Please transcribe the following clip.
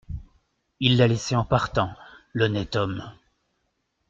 Il l’a laissée en partant, l’honnête homme !…